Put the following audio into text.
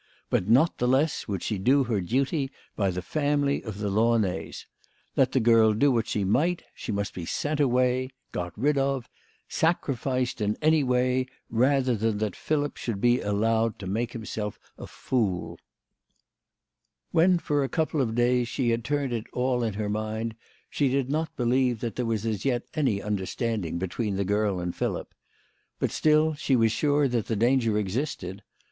But not the less would she do her duty by the family of the Launays. Let the girl do what she might, she must be sent away got rid of sacrificed in any way rather than that Philip should be allowed to make himself a fool. When for a couple of days she had turned it all in THE LADY OF LAUNAY. 123 her mind she did not believe that there was as yet any understanding between the girl and Philip. But still she was sure that the danger existed.